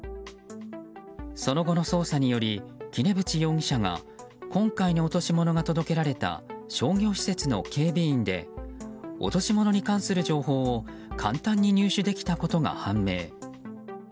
その後の捜査により杵渕容疑者が今回の落とし物が届けられた商業施設の警備員で落とし物に関する情報を簡単に入手できたことが判明。